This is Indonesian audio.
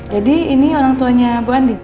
jadi ini orang tuanya bu anding